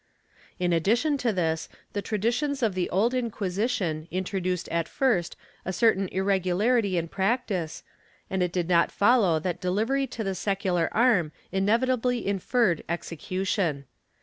"^ In addition to this, the traditions of the Old Inquisition introduced at first a certain irregularity in practice, and it did not follow that delivery to the secular arm inevitably inferred execution.